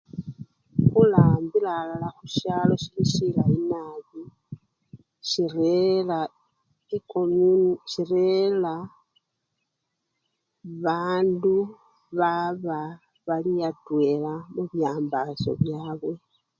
Khurambila alala khusyalo sili silayi nabi sirera ekomu! sirera bandu baba bali atwela mubyambasyo byabwe.